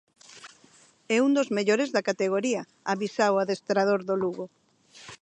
É un dos mellores da categoría, avisa o adestrador do Lugo.